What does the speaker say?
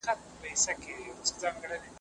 د ازادۍ ارزښت بیان شو.